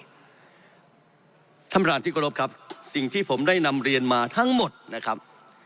ท่านประธานที่กรบครับสิ่งที่ผมได้นำเรียนมาทั้งหมดนะครับ